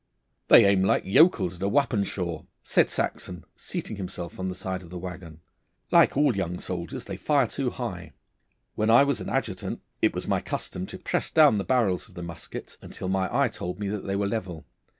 'They aim like yokels at a Wappenschaw,' said Saxon, seating himself on the side of the waggon. 'Like all young soldiers they fire too high. When I was an adjutant it was my custom to press down the barrels of the muskets until my eye told me that they were level.